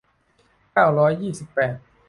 เก้าร้อยยี่สิบแปด